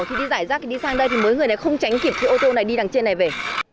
thì đi giải rác đi sang đây thì mấy người này không tránh kịp cái ô tô này đi đằng trên này về